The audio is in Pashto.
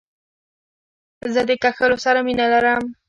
زه د کښلو سره مینه لرم.